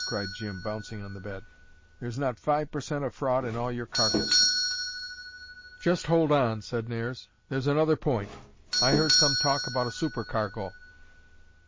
cried Jim, bouncing on the bed. "There's not five per cent of fraud in all your carcase." "Just hold on," said Nares. "There's another point. I heard some talk about a supercargo."